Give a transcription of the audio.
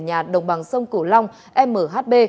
nhà đồng bằng sông cửu long mhb